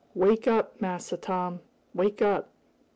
"Wake up, Massa Tom! Wake up!